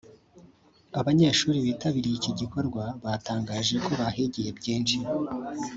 Abanyeshuri bitabiriye iki gikorwa batangaje ko bahigiye byinshi